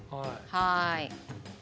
はい。